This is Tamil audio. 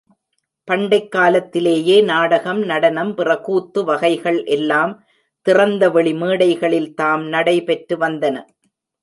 பண்டைக் காலத்திலேயே நாடகம், நடனம், பிற கூத்து வகைகள் எல்லாம் திறந்த வெளி மேடைகளில் தாம் நடைபெற்று வந்தன.